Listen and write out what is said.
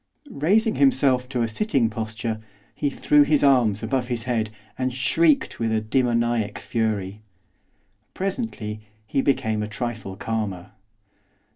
Raising himself to a sitting posture, he threw his arms above his head, and shrieked with a demoniac fury. Presently he became a trifle calmer.